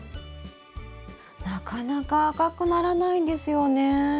なかなか赤くならないんですよね。